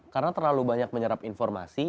karena terlalu banyak menyerap informasi